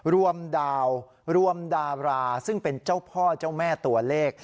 รวมดาวรวมดาราซึ่งเป็นเจ้าพ่อเจ้าแม่ตัวเลข